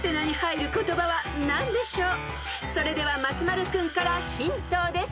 ［それでは松丸君からヒントです］